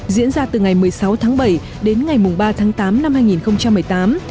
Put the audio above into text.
diễn ra từ ngày một mươi sáu tháng bảy đến ngày ba tháng tám năm hai nghìn một mươi tám